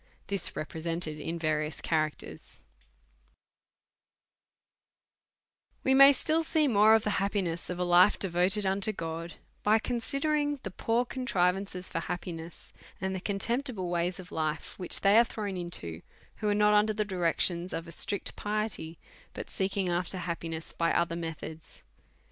This represented in various Cha racters, WE may still see more of the happiness of a life de voted unto God, by considering the poor contrivances for happiness, and the contemptible ways of life, which they are thrown into, who are not under the di rections of a strict piety, but seeking after happiness by other methods.